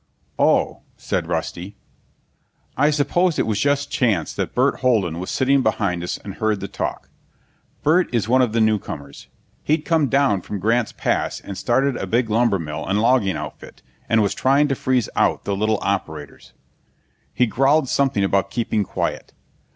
"Oh," said Rusty. I suppose it was just chance that Burt Holden was sitting behind us and heard the talk. Burt is one of the newcomers. He'd come down from Grants Pass and started a big lumber mill and logging outfit, and was trying to freeze out the little operators. He growled something about keeping quiet.